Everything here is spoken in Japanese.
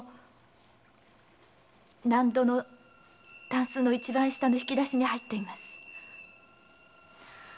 納戸の箪笥の一番下の引き出しに入っています。